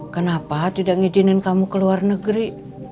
kenapa tidak mengizinin kamu ke luar negeri